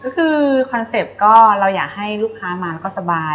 ก็คือคอนเซ็ปต์ก็เราอยากให้ลูกค้ามาแล้วก็สบาย